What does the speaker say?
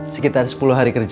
sekitar sepuluh hari kerja